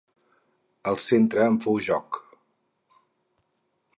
El centre en fou Jóc.